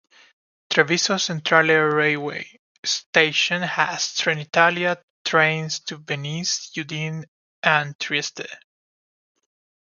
Treviso Centrale railway station has Trenitalia trains to Venice, Udine and Trieste.